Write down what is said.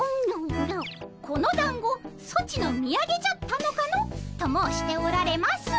「このだんごソチのみやげじゃったのかの？」と申しておられます。